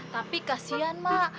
tapi kasihan mak